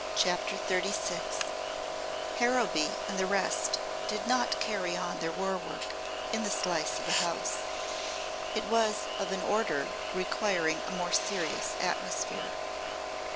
CHAPTER XXXVI Harrowby and the rest did not carry on their War Work in the slice of a house. It was of an order requiring a more serious atmosphere.